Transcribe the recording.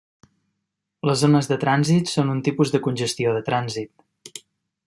Les ones de trànsit són un tipus de congestió de trànsit.